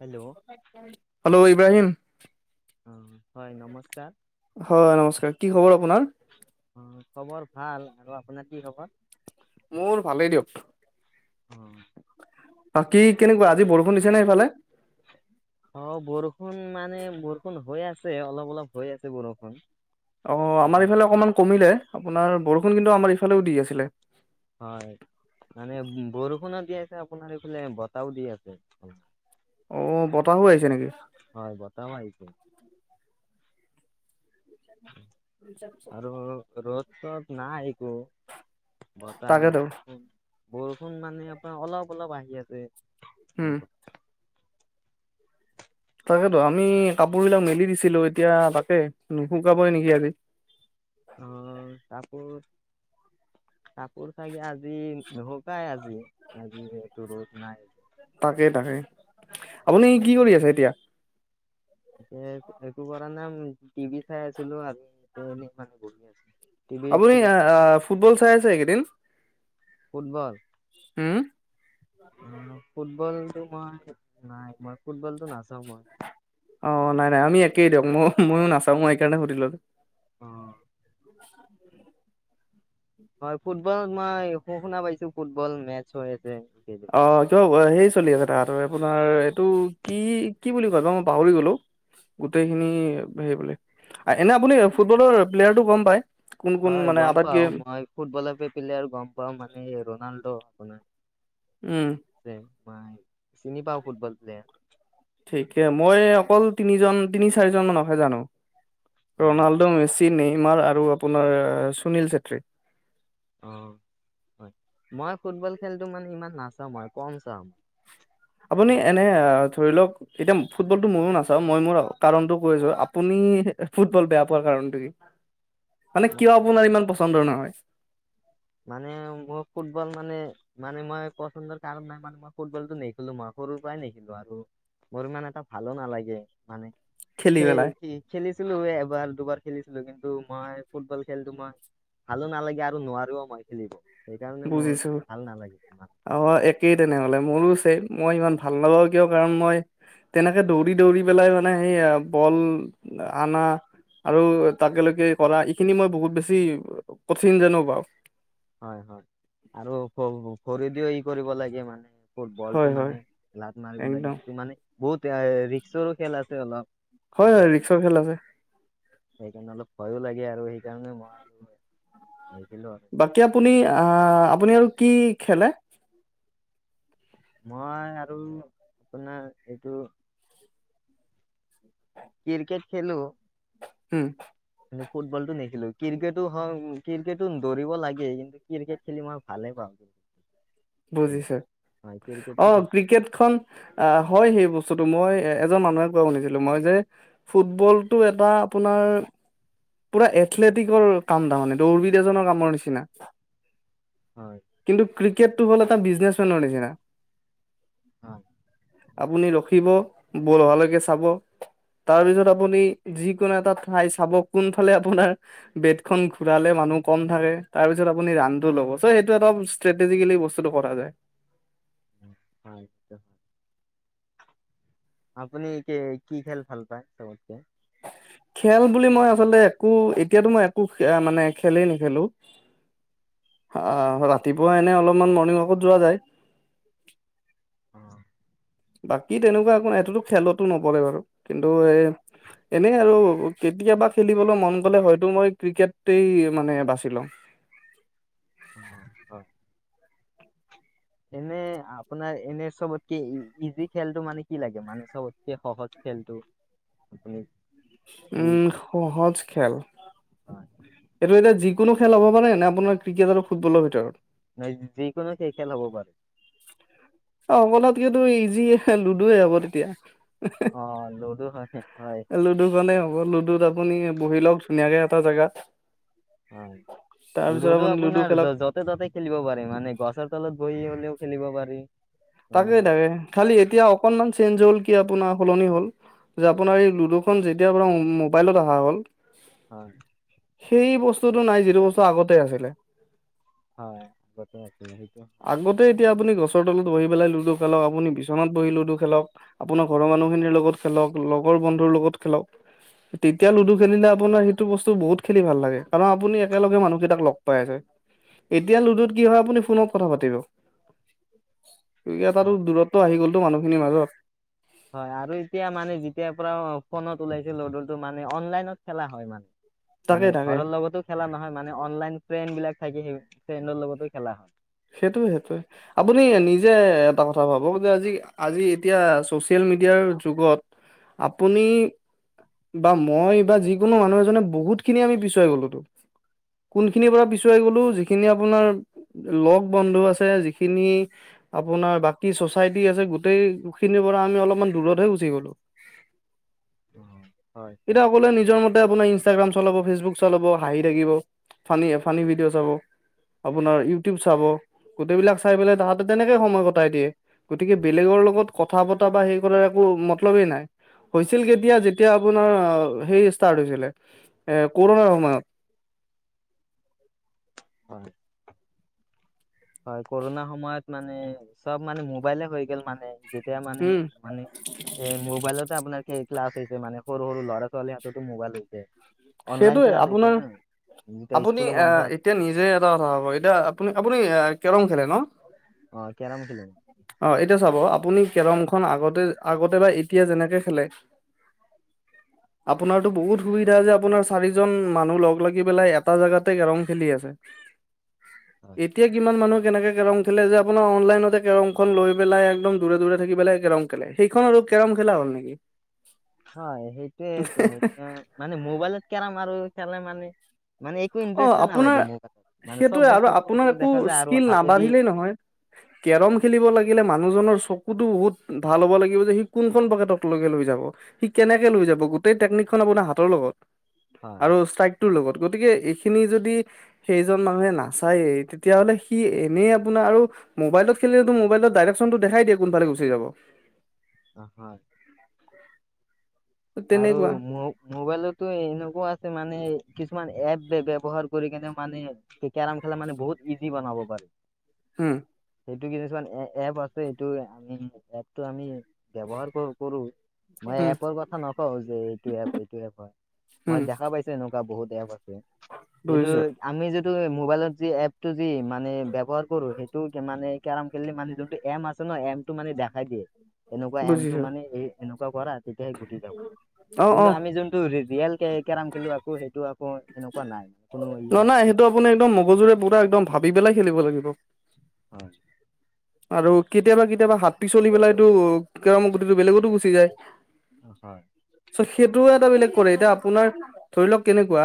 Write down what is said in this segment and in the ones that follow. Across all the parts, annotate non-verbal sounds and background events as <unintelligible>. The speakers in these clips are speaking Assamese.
হেল্ল' হেল্ল' ইব্ৰাহিম অ হয় নমস্কাৰ হয় নমস্কাৰ, কি খবৰ আপোনাৰ? অ খবৰ ভাল আৰু আপোনাৰ কি খবৰ মোৰ ভালেই দিয়ক। উম। কি কেনেকুৱা আজি বৰষুণ দিছে নে সেফালে অ বৰষুণ মানে বৰষুণ হৈ আছে, অলপ অলপ হৈ আছে বৰষুণ। অ আমাৰ ইফালে অকমান কমিলে আপোনাৰ বৰষুণ কিন্তু আমাৰ ইফালেও দি আছিলে হয় মানে বৰষুণত দি আছে আপোনাৰ এইফালে বতাহও দি আছে অ' বতাহো আহিছে নেকি। হয় বতাহ মাৰিছে। <unintelligible> <unintelligible> নাই একো বতাহ আৰু। তাকেতো বৰষুণ মানে আপোনাৰ অলপ- অলপ আহি আছে। উম তাকেতো আমি কাপোৰ বিলাক মেলি দিছিলো এতিয়া তাকেই নুশুকাবই নেকি আজি। <inaudible> অ' কাপোৰ। কাপোৰ চাগে আজি নুসুকাই আজি- আজি ইয়াতো ৰ'দ নাই। তাকে- তাকে আপুনি কি কৰি আছে এতিয়া। এতিয়া একো কৰা নাই টিভি চাই আছিলো আমি এতিয়া এনেই মানে বহি আছো। টিভিত আপুনি ফুটবল চাই আছে এইকেইদিন। ফুটবল। উম্। ফুটবলটো মই নাই মই ফুটবল টো নাজ অ' নাই- নাই আমি একেই দিয়ক মই ময়ো নাচাওঁ মই সেইকাৰণে সুধিলো। অ'। হয় ফুটবল মই শু শুনা পাইছো ফুটবল মেচ হৈ আছে। এইকেইদিন। অ' <unintelligible> সেই চলি আছে তাহতৰ আপোনাৰ এইটো কি- কি বুলি কয় বা মই পাহৰি গ'লো। গোটেইখিনি হেই বোলে এনে আপুনি ফুটবলৰ প্লেয়াৰটো গম পায়। কোন কোন হয় মানে গম পাও আটাইতকে মই ফুটবলৰ প্লেয়াৰ গম পাও মানে ৰনাল্ডো আপোনাৰ। উম। যে মই চিনি পাওঁ ফুটবল প্লেয়াৰ। ঠিকে মই অকল তিনিজন তিনি চাৰিজন মানকহে জানো। অ'। ৰনাল্ডো মেচি নেইমাৰ আৰু আপোনাৰ সুনীল চেত্ৰী। অ'। হয় মই ফুটবল খেলটো মানে ইমান নাচাওঁ মই কম চাওঁ। আপুনি এনে ধৰি লওক এতিয়া ফুটবলটো মইও নাচাওঁ মই মোৰ কাৰণটো কৈ আছো আপুনি ফুটবল বেয়া পোৱাৰ কাৰণ মানে কিয় আপোনাৰ ইমান পচন্দৰ নহয়। মানে মোৰ ফুটবল মানে- মানে মই পচন্দৰ কাৰণ নাই মানে মই ফুটবলটো নেখেলো মই। সৰুৰ পৰাই নেখেলো আৰু মোৰ ইমান এটা ভালো নালাগে মানে। খেলি খে পেলাই কি খেলি <unintelligible> ছিলো এবাৰ দুবাৰ খেলিছিলো, কিন্তু মই ফুটবল খেলটো মই ভালো নালাগে আৰু নোৱাৰো। <unintelligible> খেলিব সেইকাৰণে মোৰ ভাল নালাগে ইমান। <unintelligible> কেই তেনেহ'লে মোৰো চেম মই ইমান ভাল নাপাও কিয় কাৰণ মই তেনেকে দৌৰি- দৌৰি পেলাই মানে সেই বল আনা। আৰু তাকে লৈকে কৰা এইখিনি মই বহুত বেছি কঠিন জানো পাওঁ। হয়-হয় আৰু খৰিদিও ই কৰিব লাগে মানে। হয়, ফুটবলটো হয়, মানে লাত মাৰিব একদম লাগে, সেইটো মানে বহুত ৰিক্সৰো খেল আছে অলপ। হয়- হয় ৰিক্সৰ খেল আছে। সেইকাৰণে অলপ ভয়ো লাগে আৰু সেইকাৰণে মই আৰু নেখিলো আৰু। বাকী আপুনি আ আপুনি আৰু কি খেলে। মই আৰু আপোনাৰ এইটো ক্ৰিকেট খেলো। উম। কিন্তু ফুটবলটো নেখেলোঁ। ক্ৰিকেটো হওক ক্ৰিকেটো দৌৰিব লাগে কিন্তু ক্ৰিকেট খেলি মই ভালেই পাওঁ। বুজিছে হয় ক্ৰিকেটটো অ' খেল ক্ৰিকেটখন আ হয় সেই বস্তুটো মই এ এজন মানুহে কোৱা শুনিছিলো মই যে ফুটবলতটো এটা আপোনাৰ পুৰা এথলেটিকৰ কাম, তাৰমানেটো উৰভিদ এজনৰ কামৰ নিচিনা। হয় কিন্তু ক্ৰিকেটটো হল এটা বিজনেচমেনৰ নিচিনা। হয় আপুনি ৰখিব বল অহালৈকে চাব তাৰপিছত আপুনি যিকোনো এটা ঠাই চাব কোনফালে আপোনাৰ বেটখণ ঘূৰালে মানুহ কম থাকে, তাৰপিছত আপুনি ৰানটো ল'ব চ সেইটোটা দম স্ত্ৰেজেটিকেলী বস্তুটো কৰা যায়। হয়ছো হয় <inaudible> আপুনি কে কি খেল ভাল পায়, চবতকে? খেল বুলি মই আচলতে একো এতিয়াতো মই একো মানে খেলেই নেখেলো। আহ ৰাতিপুৱা এনে অলপমান মৰ্নিং ৱাকত যোৱা যায়। অ বাকী তেনেকুৱা একো নাই, এইটোতো খেলতো নপৰে বাৰু কিন্তু সেইয়ে এনেই আৰু কেতিয়াবা খেলিবলৈ মন গ'লে হয়তো মই ক্ৰিকেটই মানে বাচি লওঁ। <inaudible> হয় <inaudible> <inaudible> এনে আপোনাৰ এনে চবতকে ইজি খেলতটো মানে কি লাগে? মানে চবতকে সহজ খেল? আোনাৰ <inaudible> উম সহজ খেল। হয় এইটো এতিয়া যিকোনো খেল হ'ব পাৰে নে আপোনাৰ ক্ৰিকেট আৰু ফুটবলৰ ভিতৰত? নাই যিকোনো খেই খেল হব পাৰে। অ' অকনাতকেতো ইজি লুডু হব তেতিয়া। অ লুডু হয় হয় লুডু খনে হ'ব লুডুত আপুনি বহি লওক ধুনীয়াকে এটা জেগাত হয় তাৰ পিছত লুডু আপুনি আপোনাৰ খেলক যতে ত'তে খেলিব পাৰে মানে গছৰ তলত বহি হলেও খেলিব পাৰি। মানে তাকে তাকে খালি এতিয়া অকনমান চেঞ্জ হ'ল কি আপোনাৰ সলনি হ'ল। যে আপোনাৰ এই লুডু খন যেতিয়াৰ পৰা মোবাইলত অহা হ'ল হয় <inaudible> সেই বস্তুতটো নাই যিটো বস্তু আগতে আছিলে। হয়, আটো আছিল সেইটো হয় <inaudible> আগতে এতিয়া আপুনি গছৰ তলত বহি পেলাই লুডু খেলক আপুনি বিচনাত বহি লুডু খেলক আপোনাৰ ঘৰৰ মানুহ খিনিৰ লগ খেলক লগৰ বন্ধু লগত খেলাওঁ তেতিয়া লুডু খেলিলে আপোনাৰ সেইটো বস্তু বহুত খেলি ভাল লাগে, কাৰণ আপুনি একেলগে মানুহকেইটাক লগ পাই আছে। এতিয়া লুডুত কি হয় আপুনি ফোনত কথা পাতিব। এ' তাতো হয়। দূৰতটো আহি গ'লতো মানুহখিনিৰ মাজত হয় আৰু এতিয়া মানে যেতিয়াৰ পৰা ফোনত ওলাইছে লডলটো মানে অনলাইনত খেলা হয় মানে। মানে তাকে তাকে ঘৰৰ লগতো খেলা নহয় মানে অনলাইন ফ্ৰেণ্ড বিলাক থাকি সেই ফ্ৰেণ্ডৰ লগতে খেলা হয়। সেইটো সেইটোয়ে, আপুনি নিজে এটা কথা ভাবক, যে আজি, আজি এতিয়া চচিয়েল মিডিয়াৰ যোগত আপুনি বা মই বা যিকোনো মানুহ এজনে বহুত খিনি আমি পিছুৱাই গলো তো। কোনখিনিৰ পৰা পিছুৱাই গলো যিখিনি আপোনাৰ লগ বন্ধু আছে যিখিনি আপোনাৰ বাকী চচাইটি আছে গোটেই খিনিৰ পৰা আমি অলপ দূৰতে গুচি গলো। হয় হয় আপোনাৰ ইনষ্টাগ্ৰাম চলাব ফেচবুক চলাব হাঁহি থাকিব, ফানি ভিডিঅ' চাব আপোনাৰ ইউটিউব চাব গোটেইবিলাক চাই পেলাই তাহাঁতে তেনেকে সময় কটাই দিয়ে, ‌ গতিকে বেলেগৰ লগত কথা পতা বা হেই কৰাৰ একৌ মতলবেই নাই। হৈছিল কেতিয়া যেতিয়া আপোনাৰ সেই ষ্টাৰ্ট হৈছিলে, এ' কৰোণাৰ সময়ত <inaudible> হয়। হয়, কৰোণাৰ সময়ত মানে চব মানে মোবাইলে হৈ গল মানে। যেতিয়া মানে উম মানে এ মোবাইলতে আপোনাৰ কি ক্লাছ হৈছে মানে সৰু সৰু ল'ৰা - ছোৱালী হাততো মোবাইল হৈছে অনলাইন সেইটোয়ে ক্লাছ হৈছেছে আপোনাৰ না। যেতিয়া আপুনি স্কুলো বন্ধ আহ আছে এতিয়া নিজে এটা কথা হব এতিয়া আপুনি - আপুনি কেৰম খেলে ন? অ', কেৰম খেলো অ' এতিয়া চাব আপুনি কেৰম খন আগত আগতে বা এতিয়া যেনেকে খেলে, আপোনাৰতটো বহুত সুবিধা যে আপোনাৰ চাৰিজন মানুহ লগ লাগি পেলাই এটা জোগাতে কেৰম খেলি আছে। হয় এতিয়া কিমান মানুহ কেনেকে কেৰম খেলে যে আপোনাৰ অনলাইনতে কেৰমখন লৈ পেলাই একদম দূৰে দূৰে থাকি পেলাই কেৰম খেলে সেইখনৰ কেৰম খেলা হল নেকি। হয় সেইটোৱে মানে মোবাইলত কেৰম আৰু খেলে মানে মানে একো অ', ইণ্টাৰেষ্টটা আপোনাৰ নালাগে মোৰ কত মানে সেইটোয়ে চব আৰু বস্তু সৰু আপোনাৰ সৰু একো দেখা যায় আৰু স্কিল হাতেদি। নাবাঢ়িলেই নহয়। কেৰম খেলিব লাগিলে মানুহজনৰ চক তো বহুত ভাল হ'ব লাগিব যে সি কোনখন পকেটককে লৈ যাব সি কেনেকে লৈ যাব গোটেই টেকনিক খ হয় <inaudible> খিনি যদি সেইজন মানুহে নাচায়েই তেতিয়াাহ'লে সি এনেই আপোনাৰ আৰু মোবাইলত মোবাইলত ডাইৰেকশনটো দেখাইিয়ে কোনালে গুচি যাব। অ', হয়। আৰু তেনেকুৱা ম মোবাইলতো এনেকুৱাওঁ আছে মানে মানে কিছুমান এপ ব্যৱহাৰ কৰি কেনে মানে কেৰম খেললে মানে বহুত ইজি বনাব পাৰি। হম সেইটো কিছুমান এ এপ আছে এইটো আমি এপটো আমি ব্যৱহাৰ কৰো কৰো মই উম এপৰ কথা নকওঁ যে এইটো এপ এইটো এপ হয় মই উম দেখা পাইছো এনেকুৱা বহুত এপ হয়। এইটো বুজিছো আমি যিটো মোবাইলত যি এপটো যি মানে ৰ, কৰো সেইটো মানে কেৰম কে মানে যোনটো এম আছে ন এমটো মানে দেখাই দিয়ে। এনেকুৱা বুজিছো এমটোমানে এই এনেকুৱা কৰা তেতিয়া অ কিন্তু অ আমি যোনটো ৰিয়েল কেৰম খেলো আকৌ সেইটো আকৌ সেনেকুৱা নাই কোনো ইয়ে নহ নাই নাহই সেইটো আপুনি একদম মগজুৰে পুৰা একদম ভাবি পেলাই খেলিব লাগিব। হয় আৰু কেতিয়াবা কেতিয়াবা হাতী চলি পেলাইতটো কেৰমৰ গুটিটো বেলেগতো গুচি যায়। হয় হয় চ' সেইটোও এটা বেলেগ কৰে এতিয়া আপোনাৰ ধৰি লওক কেনেকুৱা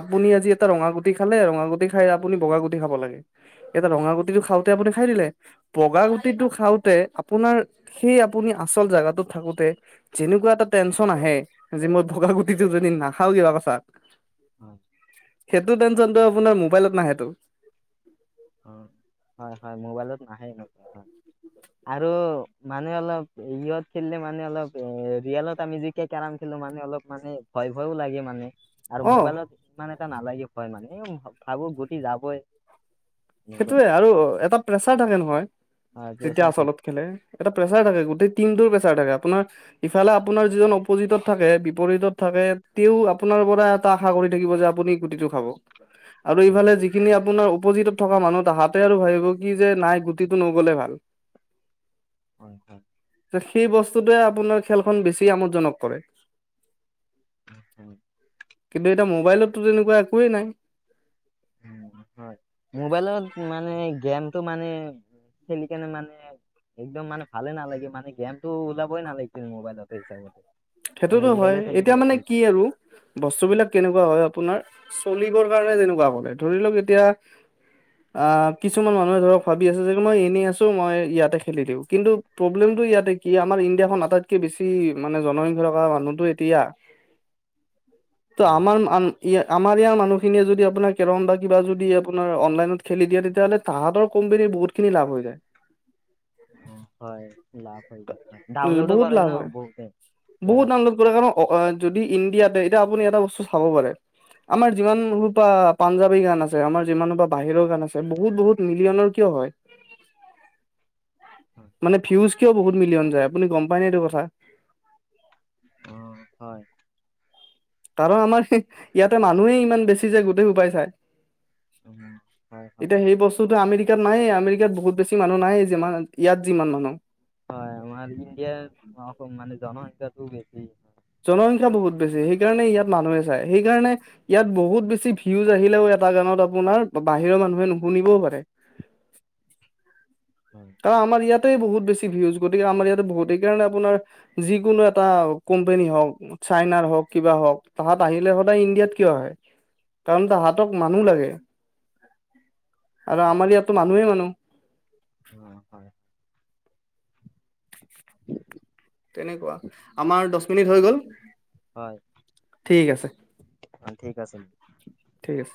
আপুনি আজি এটা ৰঙা গুটি খালে ৰঙাগুটি খাই আপুনি বগা গুটি খাব লাগে এতিয়া ৰঙা গুটিটো খাওঁতে আপুনি খাই দিলে বগা গুটিটো খাওঁতে আপোনাৰ সেই আপুনি আচল জোগাটোত থাকোতে যেনেকুৱা এটা টেনশন আহে যে মই বগা গুটিটো যদি নাখাওঁ কিবা কথাত হয় সেইটো টেনচনটো আপোনাৰ মোবাইলত নাহেটো। অ হয় হয় মোবাইলোত নাহে নোকা হয়। আৰু মানুে অলপ ইয়ত খেলিলে মানে অলপ এ ৰিয়েলত আমি জিকিয় কেৰম খেলো। মানে অলপ মানে ভয় ভয়ও লাগে মানে। আৰু অ মোবাইলত ইমান এটা নালাগে ভয় মানে ভাবো গুটি যাবই। এনেকুৱা সেইটোয়ে আৰু এটা প্ৰেচাৰ থাকে নহয়। হয় তেতিয়া প্ৰেছাৰ থাকে আচলত খেলে এটা প্ৰেচাৰ থাকে গোটেই টিম টো প্ৰেচাৰ থাকে আপোনাৰ ইফালে আপোনাৰ যিজন অপজিতত থাকে বিপৰীতত থাকে তেওঁ আপোনাৰ পৰা এটা আশা কৰি থাকিব যে আপুনি গুটিটো খাব, আৰু হয় ইফালে যিখিনি আপোনাৰ অপজীতত থকা মানুহ তাহাঁতে আৰু ভাবিব কি যে নাই গুটিটো নগ'লে ভাল হয় ভাল। সেই বস্তুটোৱে আপোনাৰ খেলখন বেছি আমোদজনক কৰে। হয় কিন্তু এতিয়া মোবাইলতটো তেনেকুৱা একোৱেই নাই। উম, হয় মোবাইলত মানে গেমটো মানে খেলি কেনে মানে একদম মানে ভালে নালাগে মানে গেমতটো ওলাবই নালাগছিল মোবাইলতে হিচাপতে- মানে সেইটোতো হয় ৰিয়েলে থাকিব এতিয়া মানে লাগিছিল কি আৰু বস্তুবিলাক আৰু কেনেকুৱা হয় আপোনাৰ চলিবৰ কাৰণে তেনেকুৱা বলে ধৰি লওক এতিয়া অঁ কিছুমান মানুহে ধৰক ভাবি আছে যে মই এনেই আছো মই ইয়াতে খেলি দিওঁ কিন্তু প্ৰব্লেমটো ইয়াতে কি আমাৰ ইণ্ডিয়াখন আটাইতকে বেছি মানে জনসংখ্যা কা মানুহতো এতিয়া ত হয় আমাৰ ই আমাৰ ইয়াৰ মানুহখিনিয়ে যদি আপোনাৰ কেৰম বা কিবা যদি আপোনাৰ অনলাইনত খেলি দিয়ে তেতিয়াহ'লে তাহাঁতৰ কোম্পানীৰ বহুতখিনি লাভ হৈ যায়। হয় লা প হয় ডাউনলোডো বহুত কৰে লাভ ন হয় বহুতে বহুত কেৰম ডাউনলোড কৰে কাৰণ অ যদি ইণ্ডিয়াতে এতিয়া আপুনি এটা বস্তু চাব পাৰে। আমাৰ যিমানসূপা পাঞ্জাৱী গান আছে আমাৰ যিমানসোপা বাহিৰৰ গান আছে বহুত বহুত মিলিয়নৰ কিয়! হয়। মানে ভিউজ কিয়ও বহুত মিলিয়ন যায় আপুনি গম পায়নে এইটো কথা। অ', হয়। কাৰণ আমাৰ ইয়াতে মানুহেই ইমান বেছি যে গোটেই সোপাই চাই উম, হয়, হয়, এতিয়া সেই বস্তুটো আমেৰিক কাত নায়ে আমেৰিকাত বহুত বেছি মানুহ নেইয়ে যিমান ইয়াত যিমান মানুহ হয় আমাৰ ইণ্ডিয়াৰ অসম মানে জনসংখ্যাটো বেছি হয়। জনসংখ্যা বহুত বেছি সেইকাৰণে ইয়াত মানুহে চায় সেইকাৰণে ইয়াত বহুত বেছি ভিউজ আহিলেও। এটা গানত আপোনাৰ বাহিৰৰ মানুহে নুশুনিবওঁ পাৰে। হয়। কাৰণ আমাৰ ইয়াত ইয়াতেই বহুত বেছি ভিউজ গতিকে আমাৰ ইয়াতে বহুত কাৰণে আপোনাৰ যিকোনো এটা কোম্পানী হওঁক চাইনাৰ হওক কিবা হওক তাহাত আহিলে সদায় ইণ্ডিয়াত কিয় আহে কাৰণ তাহাতক মানুহ লাগে আৰু আমাৰ ইয়াতো মানুহে মানুহ অ হয় তুমি থৈ গ'ল। হয় ঠিক আছে ঠিক আছে ঠিক আছে